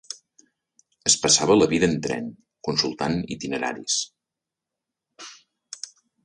Es passava la vida en tren, consultant itineraris